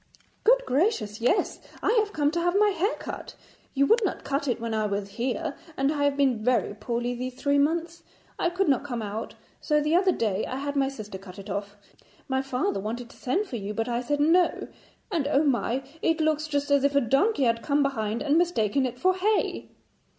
'Good gracious, yes, I have come to have my hair cut. You would not cut it when I was here, and I have been very poorly these three months. I could not come out, so the other day I had my sister cut it off. My father wanted to send for you, but I said "no," and, oh, my! it looks just as if a donkey had come behind and mistaken it for hay.'